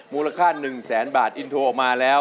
มูลค่า๑แสนบาทอินโทรออกมาแล้ว